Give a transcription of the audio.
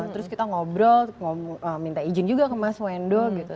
terus kita ngobrol mau minta izin juga ke mas wendo gitu